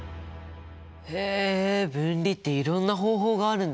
へえ分離っていろんな方法があるんだね。